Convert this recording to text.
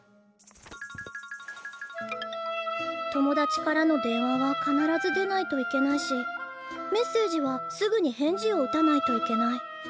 友達からの電話は必ず出ないといけないしメッセージはすぐに返事を打たないといけない。